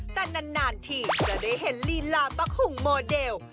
แต่นานทีจะได้เห็นลีลาบักหุ่งโมเดล